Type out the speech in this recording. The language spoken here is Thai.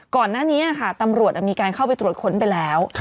ก่อนหน้านี้ค่ะตำรวจมีการเข้าไปตรวจค้นไปแล้ว